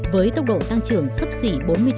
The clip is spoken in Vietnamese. với tốc độ tăng trưởng sấp xỉ bốn mươi chín